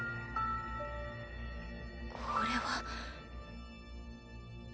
これは。